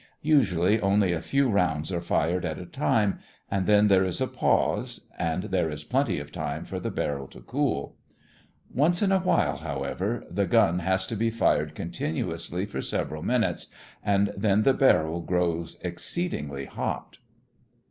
Usually, only a few rounds are fired at a time and then there is a pause, and there is plenty of time for the barrel to cool. Once in a while, however, the gun has to be fired continuously for several minutes, and then the barrel grows exceedingly hot.